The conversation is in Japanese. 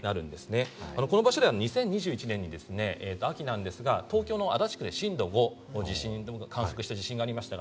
この場所では２０２１年の秋なんですが東京の足立区で震度５を観測した地震がありました。